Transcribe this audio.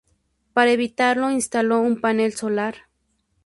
Para evitarlo, instaló un panel solar.